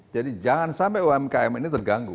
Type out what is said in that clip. jangan sampai umkm ini terganggu